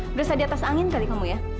udah sedih atas angin kali kamu ya